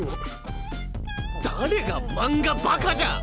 誰が漫画バカじゃ！